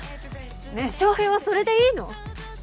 ねえ翔平はそれでいいの？